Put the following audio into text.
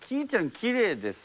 きれいでさ。